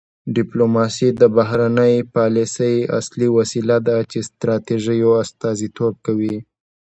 ډیپلوماسي د بهرنۍ پالیسۍ اصلي وسیله ده چې ستراتیژیو استازیتوب کوي